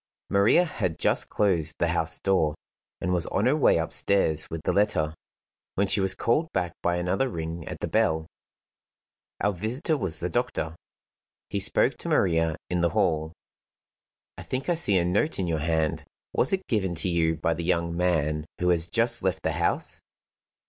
Maria had just closed the house door, and was on her way upstairs with the letter, when she was called back by another ring at the bell. Our visitor was the doctor. He spoke to Maria in the hall: "I think I see a note in your hand. Was it given to you by the young man who has just left the house?"